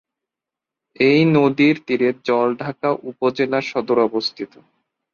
এই নদীর তীরে জলঢাকা উপজেলা সদর অবস্থিত।